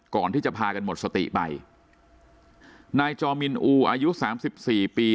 ก่อนที่จะพากันหมดสติไปนายจอมินอูอายุสามสิบสี่ปี